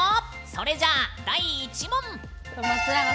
それじゃあ、第１問！